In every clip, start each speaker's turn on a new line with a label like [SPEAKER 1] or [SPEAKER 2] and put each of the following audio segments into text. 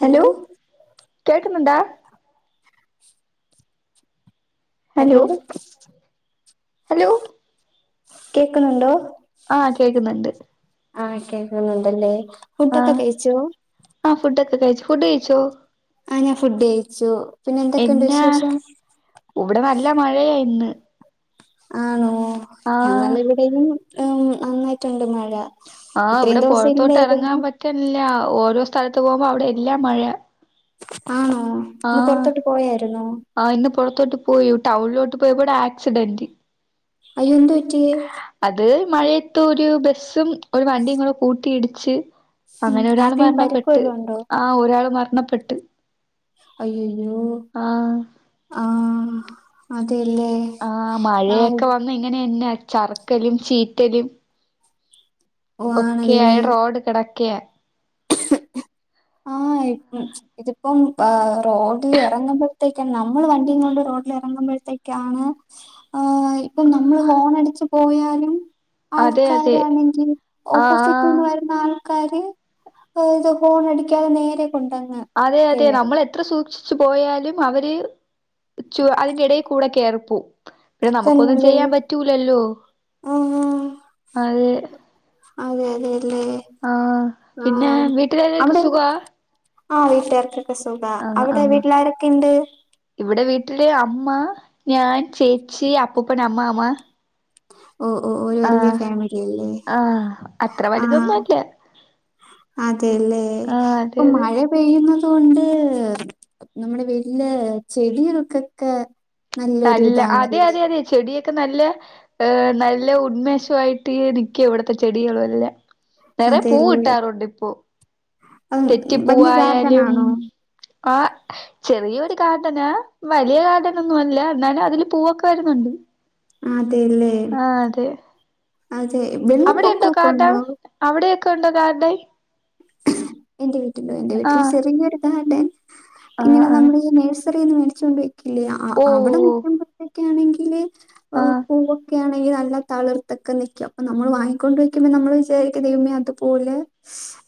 [SPEAKER 1] Hello കേൾക്കുന്നുണ്ടാ
[SPEAKER 2] hello
[SPEAKER 1] hello
[SPEAKER 2] കേക്ക്ണ് ണ്ടോ
[SPEAKER 1] ആഹ് കേക്കുന്നുണ്ട്
[SPEAKER 2] ആ കേൾക്കുന്നുണ്ടല്ലേ ഫുഡൊക്ക കഴിച്ചോ
[SPEAKER 1] ആ ഫുഡോക്കെ കഴിച്ചു ഫുഡ് കഴിച്ചോ
[SPEAKER 2] ആ ഞാൻ ഫുഡ് കയിച്ചു പിന്നെ എന്തക്കെ ഉണ്ട് വിശേഷം
[SPEAKER 1] ഒ ഇവടെ നല്ല മഴയായ ഇന്ന്
[SPEAKER 2] ആണോ ഞങ്ങള
[SPEAKER 1] ആഹ്
[SPEAKER 2] ഇവിടെയും നന്നായിട്ടുണ്ട് മഴ ഇത്രയും ദിവസം ഇല്ലായിരുന്നു
[SPEAKER 1] റ്റല്ലാ ഓരോ സ്ഥലത്ത് പോവുമ്പോ അവടെ എല്ലാം മഴയാ
[SPEAKER 2] ആണോ ഇന്ന് പൊർത്തോട്ട് പോയായിരുന്നോ
[SPEAKER 1] ആ ഇന്ന് പോറത്തോട്ട് പോയി ടൗൺലോട്ട് പോയപ്പൊ അവടെ ആക്സിഡന്റ്
[SPEAKER 2] അയ്യോ എന്തു പറ്റി
[SPEAKER 1] അത് മഴയത്തൊര് ബസ്സും ഒരു വണ്ടിയും കൂടെ കൂട്ടിയിടിച്ച്
[SPEAKER 2] ഉം
[SPEAKER 1] അങ്ങനെ ഒരാള്
[SPEAKER 2] ആർക്കേലും പരിക്ക്
[SPEAKER 1] മരണപ്പെട്ട്
[SPEAKER 2] വല്ലോം ഉണ്ടോ
[SPEAKER 1] ആ ഒരാള് മരണപ്പെട്ട്
[SPEAKER 2] അയ്യയ്യോ
[SPEAKER 1] ആഹ്
[SPEAKER 2] ആഹ് അതെ ലെ
[SPEAKER 1] ആഹ് മഴയൊക്ക വന്ന ഇങ്ങനെന്നെ ചറ്ക്കലും ചീറ്റലും
[SPEAKER 2] ഓ
[SPEAKER 1] ഒക്കെയായ
[SPEAKER 2] ആണല്ലേ
[SPEAKER 1] റോഡ് കെടക്ക്യാ
[SPEAKER 2] ആഹ് ഇതിപ്പം റോഡില് എറങ്ങുമ്പ ത്തേക്ക് നമ്മള് വണ്ടിയും കൊണ്ട് റോഡില് എറങ്ങുമ്പഴത്തേക്കാണ് ആ ഇപ്പം നമ്മള് ഹോണടിച്ച് പോയാലും
[SPEAKER 1] അതെ അതെ
[SPEAKER 2] ആൾക്കാരാണെങ്കിൽ
[SPEAKER 1] ആഹ്
[SPEAKER 2] ഓപ്പോസിറ്റ്
[SPEAKER 1] ആഹ്
[SPEAKER 2] നിന്ന് വരുന്ന ആൾ ക്കാര് ഇത് ഹോണ അടിക്കാതെ നേരെ കൊണ്ടങ്
[SPEAKER 1] അതെ അതെ നമ്മള് എത്ര സൂക്ഷിച്ചു പോയാലും അവര് ചു അതിന്റെ എടെ കൂടെ കേറിപോവും നമുക്കൊന്നും
[SPEAKER 2] തന്നല്ലേ
[SPEAKER 1] ചെയ്യാം പറ്റൂലല്ലോ
[SPEAKER 2] ആഹ്
[SPEAKER 1] അതെ
[SPEAKER 2] അതെ അതെ അല്ലെ
[SPEAKER 1] ആഹ് പിന്നെ വീട്ടിലെല്ലാര്ക്കും സുഖാ
[SPEAKER 2] ആ വീട്ട്കാർക്കൊക്കെ സുഖാ അവടെ വീട്ടിലാരെക്കെയുണ്ട്
[SPEAKER 1] ഇവടെ വീട്ടില് അമ്മ ഞാൻ ചേച്ചി അപ്പൂപ്പൻ അമ്മാമ്മ
[SPEAKER 2] ഓ ഓ ഓല് വല്ല്യ
[SPEAKER 1] ആഹ്
[SPEAKER 2] ഫാമിലില്ലേ
[SPEAKER 1] ആഹ് അത്ര വലുതൊന്നും
[SPEAKER 2] ആഹ്
[SPEAKER 1] അല്ല
[SPEAKER 2] അതെല്ലേ
[SPEAKER 1] ആഹ് അതെ
[SPEAKER 2] ഇപ്പം
[SPEAKER 1] അതെ
[SPEAKER 2] മഴ പെയ്യുന്നത് കൊണ്ട് നമ്മടെ വീട്ടിലെ ചെടികൾക്കെ ക്ക് നല്ലൊരു
[SPEAKER 1] നല്ല അതെ
[SPEAKER 2] ഇതാണല്ലേ
[SPEAKER 1] അതെ അതെ ചെടിയൊക്കെ നല്ല നല്ല ഉന്മേഷവായിട്ട് നിക്കും ഇവടത്തെ ചെടികളു എല്ലാം നിറയേ പൂ
[SPEAKER 2] അതെല്ലേ
[SPEAKER 1] കിട്ടാറുണ്ട് ഇപ്പൊ
[SPEAKER 2] അത് വലിയ ഗാർഡൻ
[SPEAKER 1] തെറ്റിപ്പൂവായാലും
[SPEAKER 2] ആണോ
[SPEAKER 1] കാ ചെറിയൊരു ഗാർഡനാ വലിയ ഗാർഡനൊന്നു അല്ല എന്നാലും അതില് പൂവൊക്കെ വരുന്നുണ്ട്.
[SPEAKER 2] അതെല്ലേ
[SPEAKER 1] ആഹ്, അതെ
[SPEAKER 2] അതെ വെള്ള
[SPEAKER 1] അവിടെ
[SPEAKER 2] പൊക്കോക്ക
[SPEAKER 1] ഗാർഡൻ
[SPEAKER 2] ഉണ്ടോ?
[SPEAKER 1] അവിടെയൊക്കെ ഉണ്ടോ ഗാർഡൻ?
[SPEAKER 2] എന്റെ വീട്ടിലോ എന്റെ വീട്ടില്
[SPEAKER 1] ആഹ്
[SPEAKER 2] ചെറിയരു ഗാർഡൻ
[SPEAKER 1] ആഹ്
[SPEAKER 2] ഇങ്ങനെ
[SPEAKER 1] ആഹ്
[SPEAKER 2] നമ്മള് ഈ നഴ്സറിന്ന് മേടിച്ചുകൊണ്ട് വെ ഇല്ല ആഹ്,
[SPEAKER 1] ഓഹ്
[SPEAKER 2] ആഹ് അവിടെ
[SPEAKER 1] ഓഹ്
[SPEAKER 2] നിക്കുമ്പഴത്തേക്കാണെങ്കില്
[SPEAKER 1] ഓഹ്
[SPEAKER 2] ഏഹ്
[SPEAKER 1] ആഹ്
[SPEAKER 2] പോവ് ക്കെണെങ്കിൽ നല്ല തളിർത്തക്കെ നിക്കും അപ്പൊ നമ്മൾ വാങ്ങിക്കൊണ്ട് വയ്ക്കുമ്പോ നമ്മള് വിചാരിക്കും ദൈവമേ അതുപോലെ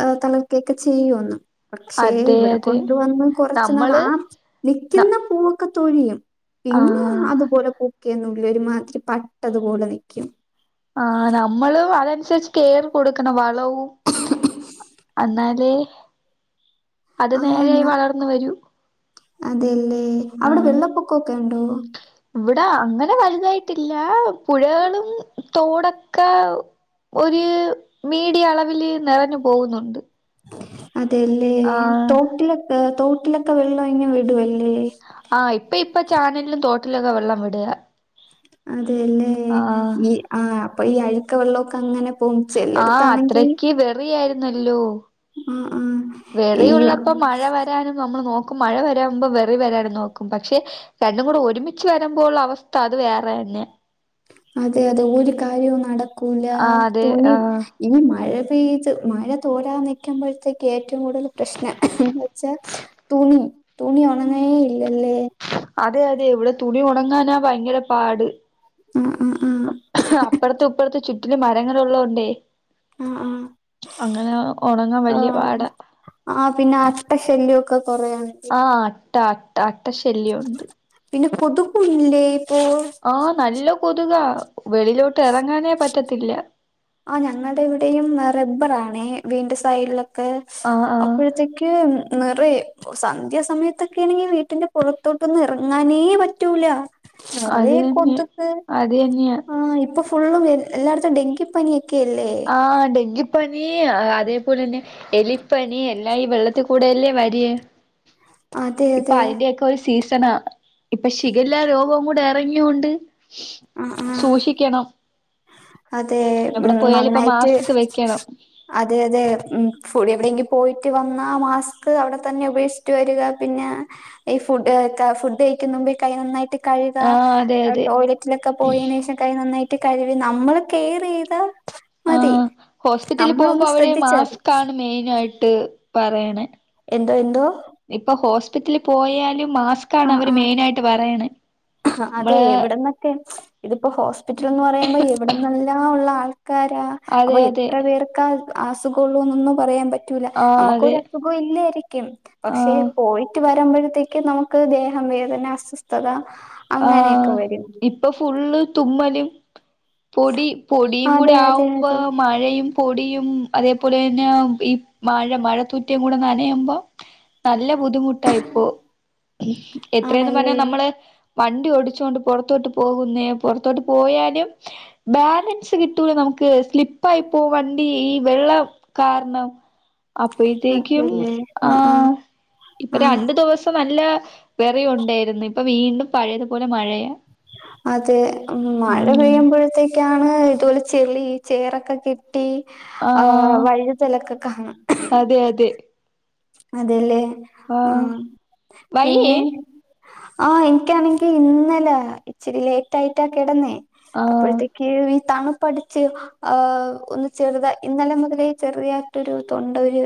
[SPEAKER 2] ആഹ് തളിർക്കെക്ക ചെയ്യോന്ന് പക്ഷേ
[SPEAKER 1] അതെ
[SPEAKER 2] ഇവിടെ
[SPEAKER 1] അതെ
[SPEAKER 2] കൊണ്ടുവന്ന് കുറച്ച് നാൾ
[SPEAKER 1] നമ്മള്
[SPEAKER 2] ആ
[SPEAKER 1] ന
[SPEAKER 2] നിക്ക്‌ന്ന പൂവൊക്ക തൊഴിയും പിന്നെ
[SPEAKER 1] ആഹ്
[SPEAKER 2] അതുപോലെ പൂക്കെയൊന്നുല്ല ഒരു മാതിരി പട്ടതുപോലെ നിക്കും.
[SPEAKER 1] ആ നമ്മളു അതനുസരിച്ച് കെയർ കൊടുക്കണം വളവും അപ്പം അന്നാലേ അത്
[SPEAKER 2] ആ
[SPEAKER 1] നേരായി
[SPEAKER 2] ഞാൻ
[SPEAKER 1] വളർന്ന്‌ വരൂ.
[SPEAKER 2] അതെല്ലേ അവിടെ
[SPEAKER 1] ആഹ്
[SPEAKER 2] വെള്ളപ്പൊക്കൊക്കെ ഉണ്ടോ?
[SPEAKER 1] ഇവിടെ അങ്ങനെ വലുതായിട്ടില്ലാ പുഴകളും തോടൊക്ക ഒര് മീഡിയ അളവില് നെറഞ്ഞു പോവുന്നുണ്ട്.
[SPEAKER 2] അതെയല്ലേ തോട്ടിലൊക്കെ, തോട്ടിലൊക്ക വെള്ളം ഇങ്ങ് വിടുഅല്ലേ.
[SPEAKER 1] ആഹ് ഇപ്പ, ഇപ്പ ചാനലിലും തോട്ടിലൊക്കെ വെള്ളം വിട്
[SPEAKER 2] അതെല്ലേ ഈ ആ അപ്പൊ ഈ അഴുക്ക വെള്ളോക്ക അങ്ങനെ പോകും
[SPEAKER 1] ആഹ്
[SPEAKER 2] ചിലടത്താണെങ്കി
[SPEAKER 1] അത്രക്ക് വെറിയായിരുന്നല്ലോ.
[SPEAKER 2] ആഹ്, ആഹ്
[SPEAKER 1] വെറിയുള്ളപ്പം മഴ വ രാനും നമ്മള് നോക്കും, മഴ വരാമ്പോ വെറി വരാനും നോക്കും. പക്ഷെ രണ്ടും കൂടെ ഒരുമിച്ച് വര മ്പോള്ള അവസ്ഥ അത് വേറെന്നെ.
[SPEAKER 2] അതെ, അതെ ഒരു കാര്യോം നടക്കൂല.
[SPEAKER 1] ആ അതെ
[SPEAKER 2] തൊണി
[SPEAKER 1] ആ
[SPEAKER 2] ഇനി മഴ പെയ്ത് മഴ തോരാ നിക്കുമ്പഴ്ത്തേക്ക് ഏറ്റോം കൂടുതൽ പ്രശ്ന എന്ന് വെച്ചാ തുണി തുണി ഒണങ്ങെ ഇല്ലല്ലേ.
[SPEAKER 1] അതെ, അതെ ഇവിടെ തുണി ഒണങ്ങാനാ ഭയങ്കര പാട്.
[SPEAKER 2] ആഹ്, ആഹ്, ആഹ്
[SPEAKER 1] അപ്പറത്തു ഇപ്പറത്തു ചുറ്റില് മരങ്ങള് ഉള്ളോണ്ടെ
[SPEAKER 2] ആ
[SPEAKER 1] അങ്ങന ഒണങ്ങാൻ വല്ല്യ പാടാ.
[SPEAKER 2] ആഹ്, പിന്ന അട്ടശല്ല്യോക്ക കൊറേയുണ്ട്.
[SPEAKER 1] ആഹ് അട്ട, അട്ട, അട്ട ശല്ല്യോണ്ട്.
[SPEAKER 2] പിന്നെ കൊതുകുല്ലേ ഇപ്പോ.
[SPEAKER 1] ആഹ് നല്ല കൊതുകാ വെളിയിലോട്ട് എറങ്ങാനേ പറ്റത്തില്ല.
[SPEAKER 2] ആ ഞങ്ങടെ ഇവിടെയും റബ്ബറാണേ വീട്ന്റെ സൈഡിലെ ക്കെ
[SPEAKER 1] ആ ആ
[SPEAKER 2] അപ്പോഴത്തേക്ക് നിറയും. ഓഹ്, സന്ധ്യ സമയത്തൊക്കേണെങ്കിൽ വീട്ടിന്റെ പുറത്തോട്ടൊന്നും എറങ്ങാനേ പറ്റൂല.
[SPEAKER 1] അത്
[SPEAKER 2] നിറയെ
[SPEAKER 1] തന്നെ
[SPEAKER 2] കൊതുക്
[SPEAKER 1] അതെന്നെയ.
[SPEAKER 2] ആ ഇപ്പൊ ഫുള്ളും എല്ലായിടത്തും ഡെങ്കിപ്പനിയൊക്കെല്ലേ.
[SPEAKER 1] ആഹ് ഡെങ്കിപ്പനീ അതേപോലെന്നെ എലിപ്പനി എല്ലാ ഈ വെള്ളത്തി കൂടെയല്ലേ വര്
[SPEAKER 2] [inaudible]
[SPEAKER 1] ഇപ്പ
[SPEAKER 2] അതെ
[SPEAKER 1] അയിന്റെയൊക്കൊരു സീസണാ ഇപ്പം ഷിഗല്ല രോഗം കൂടെ എറങ്ങ്യോണ്ട്
[SPEAKER 2] ആ ആ
[SPEAKER 1] സൂക്ഷിക്കണം
[SPEAKER 2] അതെ ഉം
[SPEAKER 1] എവിടെ പോയാലും ഇപ്പ
[SPEAKER 2] നന്നായിറ്റ്
[SPEAKER 1] മാസ്ക് വെക്കണം
[SPEAKER 2] അതെ അതെ ഉം ഫുടി എവിടെങ്കി പോയിട്ട് വന്നാ മാസ്ക് അവിടെ തന്നെ ഉപേ റ്റു വരുക പിന്നെ ഈ ഫുഡ് ഒക്കെ ഫുഡ് കഴിക്ക്ന്നുമ്പ് കൈ നന്നായിട്ട് കഴുകാ
[SPEAKER 1] ആഹ് അതെ
[SPEAKER 2] ആഹ്
[SPEAKER 1] അതെ
[SPEAKER 2] ടോയ്ലറ്റിലൊക്കെ പോയെനേഷം കൈ നന്നായിട്ട് കഴിവി നമ്മള് കേറെയ്താ
[SPEAKER 1] ആഹ് ഹോസ്പിറ്റലില് പോവുമ്പോ അവിടെ
[SPEAKER 2] മതി
[SPEAKER 1] മാസ്ക്കാണ് മെയിനായിട്ട് പറയണേ
[SPEAKER 2] എന്താ എന്തോ
[SPEAKER 1] ഇപ്പൊ ഹോസ്പിറ്റലി പോയാലും മാസ്ക്കാണ്
[SPEAKER 2] ആഹ്
[SPEAKER 1] അവര് മെയിനായിട്ട് പറയണെ
[SPEAKER 2] ആഹ് അതെ എവിട്ന്നൊക്കെ ഇതിപ്പം ഹോസ്പിറ്റല്ന്ന് പറയുമ്പോ എവിട്ന്നെല്ലാ ഉള്ള ആൾക്കാരാ
[SPEAKER 1] അതെ
[SPEAKER 2] അപ്പം
[SPEAKER 1] അതെ
[SPEAKER 2] എത്ര പേർ ക്കാ അസുഖള്ളോന്നൊന്നും പറയാൻ പറ്റൂല്ല
[SPEAKER 1] ആഹ്
[SPEAKER 2] അമ്മക്കൊരു
[SPEAKER 1] അതെ
[SPEAKER 2] അസുഖോം ഇല്ല്യേരിക്കും പക്ഷേ
[SPEAKER 1] ആഹ്
[SPEAKER 2] പോയിട്ട് വരുമ്പഴ്ത്തേക്ക് നമുക്ക് ദേഹം വേദന അസ്വസ്ഥത അങ്ങനെയൊക്കെ
[SPEAKER 1] ആഹ്
[SPEAKER 2] വരും
[SPEAKER 1] ഇപ്പോ ഫുള്ള് തുമ്മലും പൊടി പൊടിയും കൂടെ
[SPEAKER 2] അതെ അതെ
[SPEAKER 1] ആവുമ്പോ
[SPEAKER 2] അതെ
[SPEAKER 1] മഴയും പൊടിയും അതെ പോലെ തന്നേം ഈ മഴ മഴ തുറ്റേം കൂടെ നനയുമ്പോ നല്ല ബുദ്ധിമുട്ടാ ഇപ്പോ എത്രേന്നും പറ്ഞ്ഞ
[SPEAKER 2] ആണല്ലേ
[SPEAKER 1] നമ്മള് വണ്ടി ഓടിച്ചോണ്ട് പൊറത്തോട്ട് പോകുന്നെ പൊറത്തോട്ട് പോയാലും ബാലൻസ് കിട്ടൂല നമുക്ക് സ്ലിപ്പായി പോവും വണ്ടി ഈ വെള്ളം കാര്ണം അപ്പഴിത്തേക്ക്യും ആഹ് ഇപ്പ
[SPEAKER 2] ആഹ്
[SPEAKER 1] രണ്ട് ദിവസം നല്ല വെറിയുണ്ടേരുന്നു ഇപ്പോ വീണ്ടും പഴയതു പോലെ മഴയാ
[SPEAKER 2] അതെ ഉം മഴ
[SPEAKER 1] ഉം
[SPEAKER 2] പെയ്യുമ്പഴത്തേ ക്ക്യാണ് ഇതുപോലെ ചെളി ചേറൊക്കെ കെട്ടി ആഹ് വഴുതലൊക്കെ കാണാ
[SPEAKER 1] അതെ അതെ
[SPEAKER 2] അതെല്ലേ ആഹ്
[SPEAKER 1] വയ്യേ
[SPEAKER 2] പിന്നെ ആഹ് എനിക്ക്യാണെങ്കി ഇന്നലെ ഇച്ചിരി ലേറ്റായിറ്റാ കെടന്നേ
[SPEAKER 1] ആഹ്
[SPEAKER 2] അപ്പഴത്തേ [unintelligible] തണുപ്പടിച്ച് ആഹ് ഒന്ന് ചെറുതാ ഇന്നലെ മുതലേ ചെറിയായിട്ടൊരു തൊണ്ട ഒരു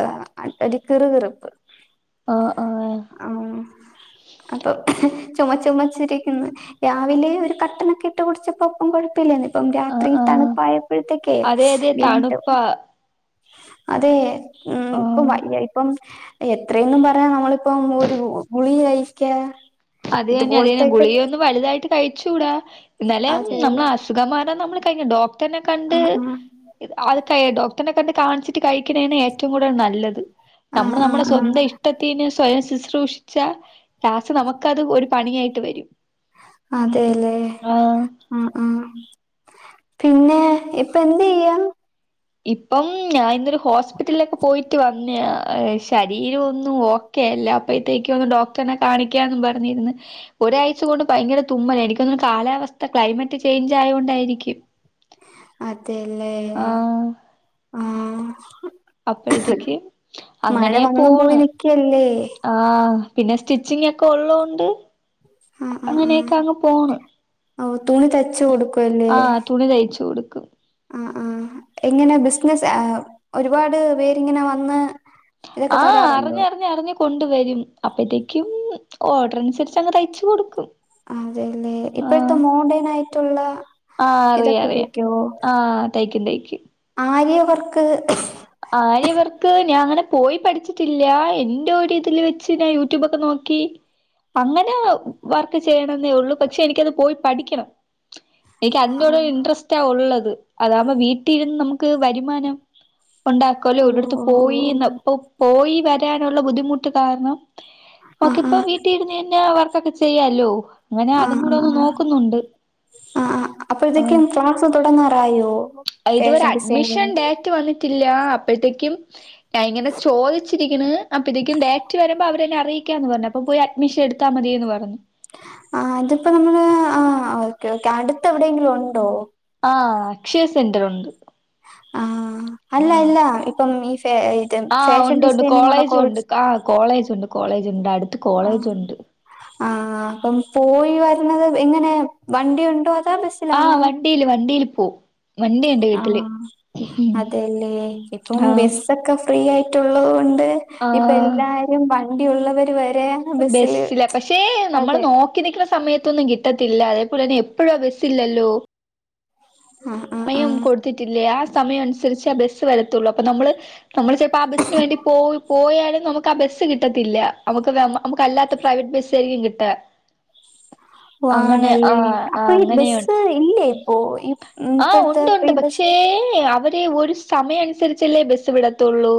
[SPEAKER 2] ഏഹ് അ ഒരു കിറു കിറുപ്പ്
[SPEAKER 1] ആഹ് ആഹ്
[SPEAKER 2] ആഹ് അപ്പോ [unintelligible] ചൊമച്ചിരിക്കിന്ന് രാവിലെ ഒരു കട്ടനൊക്കെ ഇട്ട് കുടിച്ചപ്പോ അപ്പ കൊഴപ്പയില്ലന്ന് ഇപ്പം
[SPEAKER 1] ആഹ്
[SPEAKER 2] രാത്രി
[SPEAKER 1] ആഹ്
[SPEAKER 2] തണുപ്പായപ്പഴത്തേക്കെ
[SPEAKER 1] അതെ അതെ
[SPEAKER 2] വീണ്ടും
[SPEAKER 1] തണുപ്പാ
[SPEAKER 2] അതെ ഉം ഇപ്പം
[SPEAKER 1] ആഹ്
[SPEAKER 2] വയ്യായി ഇപ്പം എത്രേന്നും പറയാ നമ്മളിപ്പം ഒരു ഗു ഗുളിക കഴിക്ക്യാ
[SPEAKER 1] അതിയന്നെ അധികം ഗുളികയൊന്നും വലുതായിട്ട് കഴിച്ചൂടാ എന്നാലേം
[SPEAKER 2] അതെ
[SPEAKER 1] നമ്മളെ അസുഖം മാറാൻ നമ്മളെ കയ്യും ഡോ ക്ടനെ കണ്ട്
[SPEAKER 2] ആഹ് ആഹ്
[SPEAKER 1] ഇത് [unintelligible] ഡോക്ടറ്നെ കണ്ട് കാണ്ച്ചിട്ട് കഴിക്ക്ണേന്നെ ഏ റ്റവും കൂടുതല് നല്ലത് ഞമ്മള്
[SPEAKER 2] ആഹ്
[SPEAKER 1] ഞമ്മളെ ഇഷ്
[SPEAKER 2] ആഹ് ആഹ്
[SPEAKER 1] സ്വന്തം ഇഷ്ടത്തിന് സ്വയം ശുശ്രൂഷിച്ചാ ലാസ്റ്റ് നമ്മ ക്കത് ഒരു പണിയായിട്ട് വെരും
[SPEAKER 2] അതെല്ലേ ഉം ഉം പിന്നെ ഇപ്പ എന്തെയ്യാ
[SPEAKER 1] ഇപ്പം ഞാൻ ഇന്നൊരു ഹോസ്പിറ്റലിലൊക്കെ പോയിട്ട് വന്നയാ ശരീരം ഒന്നും ഓ ക്കെഅല്ല അപ്പഴത്തേക്ക് ഒന്ന് ഡോക്ടറിനെ കാണിക്കാന്നും പറഞ്ഞിരിന്ന്. ഒരാഴ്ച കൊണ്ട് ഭയങ്കര തുമ്മലാ എനിക്ക് തോന്ന്ണു കാലാവസ്ഥ ക്ലൈമറ്റ് ചേഞ്ച് ആയോണ്ടായിരിക്കും.
[SPEAKER 2] അതേലേ
[SPEAKER 1] ആഹ്
[SPEAKER 2] ആഹ്.
[SPEAKER 1] അപ്പഴത്തേക്ക്
[SPEAKER 2] മഴ
[SPEAKER 1] അങ്ങനെ
[SPEAKER 2] വന്നും
[SPEAKER 1] പോണ്
[SPEAKER 2] പോയി നിക്കല്ലേ.
[SPEAKER 1] ആഹ് പിന്നെ സ്റ്റിച്ചിങ് ഒക്കെ ഉള്ളോണ്ട്
[SPEAKER 2] ആഹ് ആഹ് ആഹ്
[SPEAKER 1] അങ്ങനെയൊക്കെ അങ്ങ് പോണ്.
[SPEAKER 2] ഓഹ് തുണി തച്ചു കൊടുക്
[SPEAKER 1] ആഹ് തുണി തയ്ച്ചു കൊടുക്കും.
[SPEAKER 2] ആഹ് ആഹ് എങ്ങനെ ബിസിനസ് ഒരുപാട് പേരിങ്ങനെ വന്ന്. ഇതൊക്കെ
[SPEAKER 1] ആഹ്
[SPEAKER 2] തരാറുണ്ടോ
[SPEAKER 1] അറിഞ്ഞറിഞ്ഞറിഞ്. കൊണ്ടുവരും അപ്പഴത്തേക്കും ഓർഡർ അനുസരിച്ച് അങ് തയ്ച്ചു കൊടുക്കും.
[SPEAKER 2] അതെല്ലേ ഇപ്പഴത്തെ
[SPEAKER 1] ആഹ്
[SPEAKER 2] മോഡേൺ ആയിട്ടുള്ള
[SPEAKER 1] ആഹ് അറിയാം
[SPEAKER 2] ഇതൊക്കെ
[SPEAKER 1] അറിയാം
[SPEAKER 2] തയ്ക്കോ.
[SPEAKER 1] ആഹ് തയ്ക്കും തയ്ക്കും.
[SPEAKER 2] ആര്യ വർക്ക്.
[SPEAKER 1] ആര്യ വർക്ക് ഞാൻ അങ്ങനെ പോയി പഠിച്ചിട്ടില്ല എന്റെ ഒരിതില് വെച്ച് ഞാൻ യൂട്യൂബൊക്കെ നോക്കി. അങ്ങനെ വർക്ക് ചെയ്യണെന്നേ ഉള്ളൂ പക്ഷെ എനിക്കത് പോയി പഠിക്കണം. എനിക്ക്
[SPEAKER 2] ആ
[SPEAKER 1] അതിനോട്
[SPEAKER 2] ആ
[SPEAKER 1] ഒരു ഇൻട്രസ്റ്റ ഉള്ളത് അതാവുമ്പൊ വീട്ടീ ഇരുന്ന് നമുക്ക് വരുമാനം. ഉണ്ടാക്കുവല്ലോ
[SPEAKER 2] ഓ
[SPEAKER 1] ഒരിടത്ത്
[SPEAKER 2] ഓ ഓ
[SPEAKER 1] പോയിന്ന് ഇപ്പൊ പോയി വരാനുള്ള ബുദ്ധിമുട്ട് കാരണം.
[SPEAKER 2] ആ ആ
[SPEAKER 1] നോക്കിയപ്പം വീട്ടീ ഇരുന്ന് തന്നെ വർക്കൊക്കെ ചെയ്യാല്ലോ അങ്ങനെ
[SPEAKER 2] ആ
[SPEAKER 1] അതും കൂടെ
[SPEAKER 2] ആ
[SPEAKER 1] ഒന്ന് നോക്കുന്നുണ്ട്
[SPEAKER 2] ആ ആ
[SPEAKER 1] ആഹ്
[SPEAKER 2] അപ്പോഴത്തേക്കും ക്ലാസ് തുടങ്ങാറായോ.
[SPEAKER 1] ആഹ് ഇത് വരെ
[SPEAKER 2] ഫാഷൻ
[SPEAKER 1] അഡ്മിഷൻ
[SPEAKER 2] ഡിസൈനിങ്ങിന്റെ
[SPEAKER 1] ഡേറ്റ് വന്നിട്ടില്ല അപ്പഴത്തേക്കും. ഞാൻ ഇങ്ങനെ ചോദിച്ചിരിക്ക്ണ് അപ്പഴത്തേക്കും ഡേറ്റ് വരുമ്പോ അവരന്നെ അറിയിക്കാന്ന് പറഞ്. അപ്പൊ പോയി അഡ്മിഷൻ എട്ത്താ മതീന്ന് പറഞ്ഞു.
[SPEAKER 2] ആഹ് അതിപ്പോ നമ്മള് ആഹ് ഓക്കെ ഓക്കെ അടുത്ത് എവിടെയെങ്കിലും ഉണ്ടോ
[SPEAKER 1] ആഹ് അക്ഷയ സെന്റർ ഉണ്ട്
[SPEAKER 2] ആഹ് അല്ല
[SPEAKER 1] ആഹ്
[SPEAKER 2] ഇല്ല ഇപ്പം ഈ ഫേ
[SPEAKER 1] ആഹ് ഉണ്ട് ഉണ്ട് കോളേജും ഉണ്ട് ആ കോളേജ് ഉണ്ട് കോളേജുണ്ട് അടുത്ത്
[SPEAKER 2] ആഹ്
[SPEAKER 1] കോളേജ് ഉണ്ട്
[SPEAKER 2] ആഹ് അപ്പം പോയി വര്ന്നത് എങ്ങനെ വണ്ടി ഉണ്ടോ അതാ ബസ്
[SPEAKER 1] ആഹ് വണ്ടിയില് വണ്ടിയില് പോവും വണ്ടിയുണ്ട് വീട്ടില്
[SPEAKER 2] ആഹ്
[SPEAKER 1] ഉം
[SPEAKER 2] അതെല്ലേ ഇപ്പം
[SPEAKER 1] ആഹ്
[SPEAKER 2] ബസ്സൊക്കെ ഫ്രീ ആയിട്ടുള്ളത് കൊണ്ട് ഇപ്പ
[SPEAKER 1] ആഹ്
[SPEAKER 2] എല്ലാരും വണ്ടി ഉള്ളവർ വരെ ബസ്സില്
[SPEAKER 1] ബസ്സിലാ പക്ഷേ നമ്മള്
[SPEAKER 2] അതെ
[SPEAKER 1] നോ ക്കി നിക്ക്ണ സമയത്തൊന്നും കിട്ടത്തില്ല അതേപോലെ തന്നെ എപ്പഴും ആ ബസ്സില്ലല്ലോ
[SPEAKER 2] ആഹ് ആഹ്
[SPEAKER 1] സമയം
[SPEAKER 2] ആഹ്
[SPEAKER 1] കൊടുത്തിട്ടില്ലേ ആ സമയം അനുസരിച്ചാ ആ ബസ്സ് വരത്തൊള്ളു അപ്പൊ നമ്മള് നമ്മള് ചെൽപ്പോ ആ ബസ്സിന് വേണ്ടി പോയ് പോയാലും നമുക്ക് ആ ബസ്സ് കിട്ടത്തില്ല നമുക്ക് വെ നമുക്ക് അല്ലാത്ത പ്രൈവറ്റ് ബസ് ആയിരിക്കും കിട്ടാ
[SPEAKER 2] ഉവ്വ് ആണല്ലേ അപ്പൊ ഈ ബസ് ഇല്ലേ ഇപ്പോ ഈ ഉം
[SPEAKER 1] ആഹ്
[SPEAKER 2] ഇപ്പഴത്തെ
[SPEAKER 1] ഉണ്ട് ഉണ്ട്
[SPEAKER 2] ഫ്രീ
[SPEAKER 1] പക്ഷേ
[SPEAKER 2] ബസ്
[SPEAKER 1] അവര് ഒരു സമയം അനുസരിച്ചല്ലേ ബസ് വിടത്തൊള്ളൂ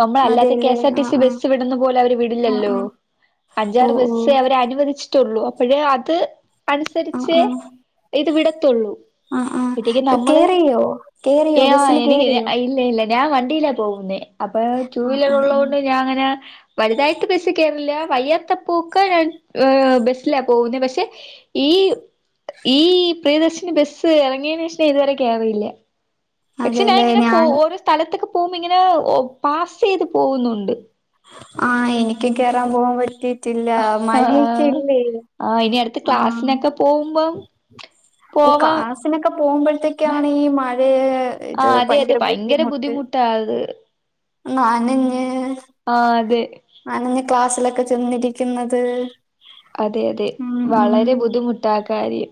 [SPEAKER 1] നമ്മളല്ലാത്ത കെ
[SPEAKER 2] അതെല്ലേ
[SPEAKER 1] എസ് ആർ ടി
[SPEAKER 2] ആഹ്
[SPEAKER 1] സി
[SPEAKER 2] ആഹ്
[SPEAKER 1] ബസ്സ് വിടുന്ന പോലെ അവര്
[SPEAKER 2] ആഹ്
[SPEAKER 1] വിടില്ലല്ലോ
[SPEAKER 2] ആഹ് ഓ
[SPEAKER 1] അഞ്ചാറ്
[SPEAKER 2] ഓ
[SPEAKER 1] ബസ്സേ അവര് അനുവദിച് ട്ടൊള്ളൂ അപ്പഴേ അത്
[SPEAKER 2] ആഹ്
[SPEAKER 1] അനുസരിച്ചേ
[SPEAKER 2] ആഹ്
[SPEAKER 1] ഇത് വിടത്തൊള്ളൂ
[SPEAKER 2] ആഹ്
[SPEAKER 1] പിറ്റേക്ക്
[SPEAKER 2] ആഹ്
[SPEAKER 1] നമ്മള്
[SPEAKER 2] കേറിയോ കേറിയോ
[SPEAKER 1] ഏ ആഹ്
[SPEAKER 2] ബസ്സില്
[SPEAKER 1] എനിക്ക്
[SPEAKER 2] കേറിയോ
[SPEAKER 1] ഇല്ല ഇല്ല ഞാൻ വണ്ടിയിലാ പോകുന്നേ അപ്പൊ ടു
[SPEAKER 2] ആഹ്
[SPEAKER 1] വീലർ
[SPEAKER 2] ആഹ്
[SPEAKER 1] ഉള്ളത്
[SPEAKER 2] ആഹ്
[SPEAKER 1] കൊണ്ട് ഞാൻ അങ്ങനെ വലുതായിട്ട് ബസ്സ് കേറില്ല വയ്യാത്തപ്പോ ക്കെ ഞാൻ ഹ്ബസ്സിലാ പോകുന്നേ പക്ഷെ ഈ ഈ പ്രിയദർശിനി ബസ്സ് എറങ്ങയ്‌ൻ തുവരെ കേറില്ല പക്ഷെ
[SPEAKER 2] അതെല്ലേ
[SPEAKER 1] ഞാനിങ്ങനെ പൊ
[SPEAKER 2] ഞാൻ
[SPEAKER 1] ഓരോ സ്ഥലത്തൊക്കെ പോകുമ്പോ ഇങ്ങനെ പാസ് ചെയ്ത് പോകുന്നുണ്ട്
[SPEAKER 2] ആഹ് എനിക്ക് കേറാൻ പോകാൻ പറ്റി റ്റില്ല മഴയൊക്കെ
[SPEAKER 1] ആഹ്
[SPEAKER 2] ഇല്ലേ
[SPEAKER 1] ആഹ് ഇനി അടുത്ത
[SPEAKER 2] ആഹ്
[SPEAKER 1] ക്ലാസ്സിനൊക്കെ പോകുമ്പം
[SPEAKER 2] ഓഹ്
[SPEAKER 1] പോവാം
[SPEAKER 2] ക്ലാസിനൊക്കെ പോകുമ്പോഴത്തേക്കാണ് ഈ മഴയ ഇത് ഭയങ്കര ബുദ്ധിമുട്ട്
[SPEAKER 1] ട്ടാത്
[SPEAKER 2] നനഞ്
[SPEAKER 1] ആഹ് അതെ
[SPEAKER 2] നനഞ്ഞു ക്ലാസ്സിലൊക്കെ ചെന്നിരിക്കുന്നത്
[SPEAKER 1] അതെ അതെ
[SPEAKER 2] ഉം ഉം
[SPEAKER 1] വളരെ ബുദ്ധിമുട്ടാ ആ കാര്യം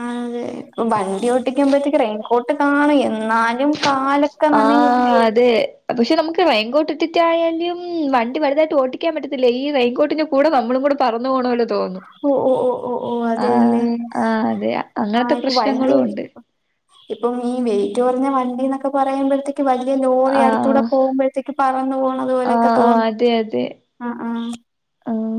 [SPEAKER 2] ആഹ് അതെ [unintelligible] വണ്ടി ഒട്ടിക്കുമ്പോഴത്തേക്ക് റെയിൻകോട്ട് കാണും എന്നാലും കാലൊക്കെ നനയില്ലേ
[SPEAKER 1] ആഹ് അതെ പക്ഷെ നമുക്ക് റെയിൻ കോട്ട് ഇട്ടിട്ടായാലും വണ്ടി വലുതായിട്ട് ഓട്ടിക്കാൻ പറ്റത്തില്ല ഈ റെയിൻ കോട്ട് കൂടെ നമ്മളും കൂടെ പറന്നു പോണേ പോലെ തോന്നും
[SPEAKER 2] ഓഹ് ഓഹ് ഓഹ് ഓഹ് ഓഹ് അതല്ലേ
[SPEAKER 1] ആഹ് ആഹ് അതെ
[SPEAKER 2] ആഹ്
[SPEAKER 1] അങ്ങനത്തെ
[SPEAKER 2] ഇപ്പ വല്ല്യ
[SPEAKER 1] പ്രശ്നങ്ങളും ഉണ്ട്
[SPEAKER 2] ഇപ്പം ഈ വെയിറ്റ് കുറഞ്ഞ വണ്ടിന്നൊക്കെ പറയുമ്പോഴത്തേ വലിയ ലോറി അടുത്തൂടെ
[SPEAKER 1] ആഹ്
[SPEAKER 2] പോകുമ്പോഴത്തേക്ക് പറന്നു പോണതുപോലെയൊക്കെ
[SPEAKER 1] ആഹ്
[SPEAKER 2] തോന്നും
[SPEAKER 1] അതെ അതെ
[SPEAKER 2] ആഹ് ആഹ്
[SPEAKER 1] ആഹ്